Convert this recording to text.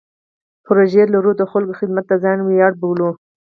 پروژې لرو او د خلکو خدمت د ځان ویاړ بولو.